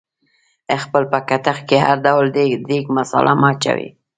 خپل په کتغ کې هر ډول د دیګ مثاله مه اچوئ